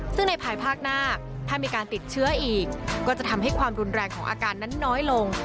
ซึ่งในภายภาคหน้าถ้ามีการติดเชื้ออีกก็จะทำให้ความรุนแรงของอาการนั้นน้อยลง